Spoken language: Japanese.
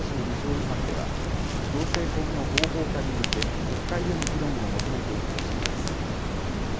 違反では同性婚の合法化に向け、国会での議論を求めていくとしています。